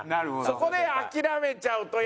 そこで諦めちゃうと。